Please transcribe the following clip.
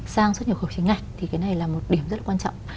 sang xuất nhập khẩu chính ngạch thì cái này là một điểm rất quan trọng